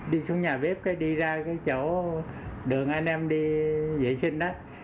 đi xuống nhà bếp đi ra cái chỗ đường anh em đi vệ sinh đó